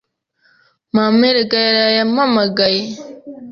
Mama erega yaraye ampamagaye.”